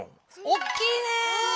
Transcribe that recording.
おっきいね。